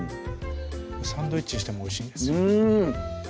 サンドイッチにしてもおいしいんですよ